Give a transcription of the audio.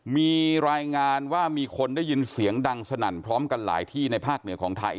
มีรายงานว่ามีคนได้ยินเสียงดังสนั่นพร้อมกันหลายที่ในภาคเหนือของไทย